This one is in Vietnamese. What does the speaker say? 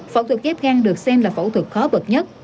phẫu thuật ghép gan được xem là phẫu thuật khó bật nhất